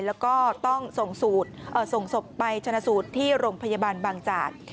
แล้วก็ต้องส่งศพไปชนะสูตรที่โรงพยาบาลบางจาก